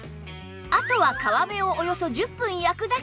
あとは皮目をおよそ１０分焼くだけ